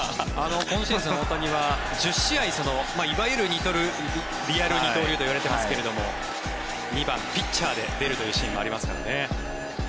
今シーズン大谷は１０試合いわゆるリアル二刀流といわれていますが２番ピッチャーで出るというシーンもありますからね。